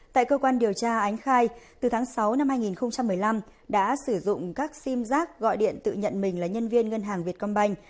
tại cơ quan điều tra ánh khai từ tháng sáu năm hai nghìn một mươi năm đã sử dụng các sim giác gọi điện tự nhận mình là nhân viên ngân hàng việt công banh